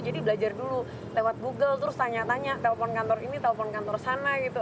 belajar dulu lewat google terus tanya tanya telpon kantor ini telpon kantor sana gitu